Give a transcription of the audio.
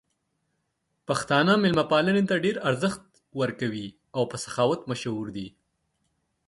پښتانه مېلمه پالنې ته ډېر ارزښت ورکوي او په سخاوت مشهور دي.